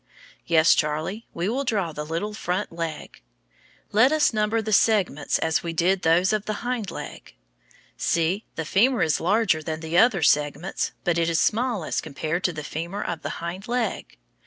Yes, Charlie, we will draw the little front leg. Let us number the segments as we did those of the hind leg. See, the femur is larger than the other segments, but it is small as compared to the femur of the hind leg.